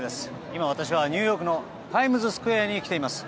今、私はニューヨークのタイムズスクエアに来ています。